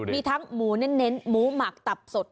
มีทั้งหมูเน้นหมูหมักตับสด